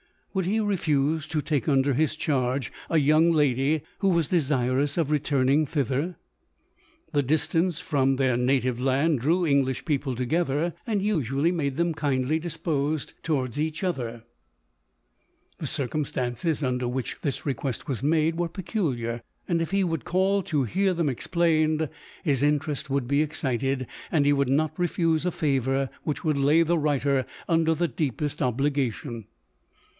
Would he refuse to take under his charge a young lady, who was desirous of returning thither? The dis tance from their native land drew English people together, and usually made them kindly disposed l 2 220 LODORE. towards each other. The circumstances under which this request was made were peculiar ; and if he would call to hear them explained, his interest would be excited, and he would not refuse a favour which would lay the writer un der the deepest obligation.